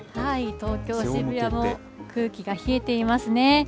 東京・渋谷も空気が冷えていますね。